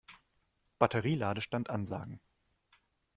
Batterie-Ladestand ansagen.